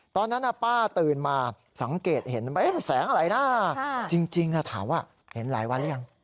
ตอนนั้นป้าตื่นมาสังเกตเห็นไหมแสงอะไรนะจริงถามว่าเห็นหลายวันหรือยัง